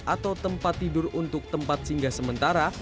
atau tempat tidur untuk tempat singgah sementara